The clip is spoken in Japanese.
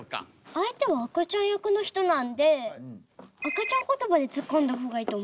相手は赤ちゃん役の人なので赤ちゃんことばでツッコんだ方がいいと思います。